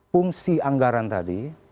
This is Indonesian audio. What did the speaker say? fungsi anggaran tadi